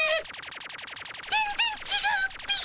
全ぜんちがうっピィ。